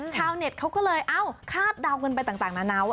ชาวเน็ตเขาก็เลยเอ้าคาดเดากันไปต่างนานาว่า